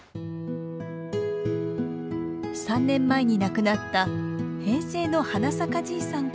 ３年前に亡くなった平成の花咲かじいさん